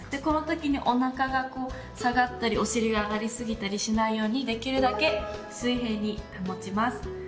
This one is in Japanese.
このときにおなかが下がったりお尻が上がり過ぎたりしないようにできるだけ水平に保ちます。